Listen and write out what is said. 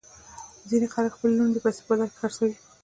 ځینې خلک خپلې لوڼې د پیسو په بدل کې خرڅوي.